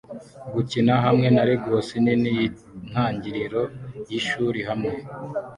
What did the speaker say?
gukina hamwe na Legos nini yintangiriro y-ishuri hamwe